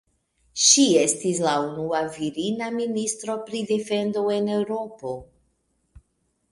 Ŝi estis la unua virina ministro pri defendo en Eŭropo.